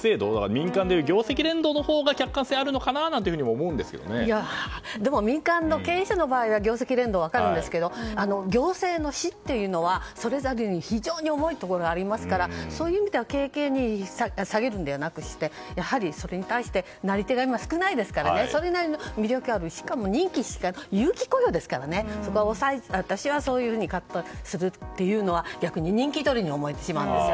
民間でいう業績連動のほうが客観性あるのかなというふうにもでも民間の経営者の場合は業績連動は分かるんですが行政というのはそれだけに非常に重いと思いますからそういう意味では軽々に下げるのではなくしてやはりそれに対して成り手が今少ないのでそれなりの魅力あってしかも任期雇用なのでそういうふうにカットするのは逆に人気取りに思えてしまいます。